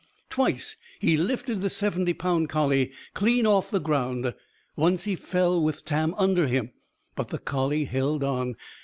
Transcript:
Twice, he lifted the seventy pound collie clean off the ground. Once he fell, with Tam under him. But the collie held on.